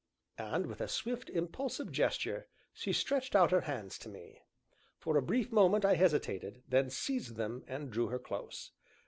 And with a swift, impulsive gesture, she stretched out her hands to me. For a brief moment I hesitated, then seized them, and, drew her close.